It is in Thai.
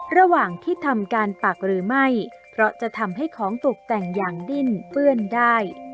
ระหว่างที่ทำการปักหรือไม่เพราะจะทำให้ของตกแต่งอย่างดิ้นเปื้อนได้